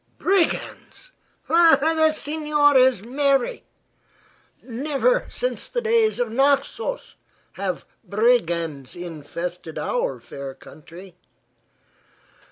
"Brigands! Ah; the signor is merry. Never, since the days of Naxos, have brigands infested our fair country."